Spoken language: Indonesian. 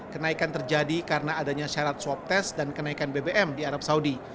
kenaikan terjadi karena adanya syarat swab test dan kenaikan bbm di arab saudi